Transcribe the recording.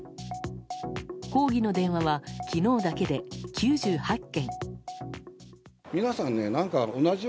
抗議の電話は昨日だけで９８件。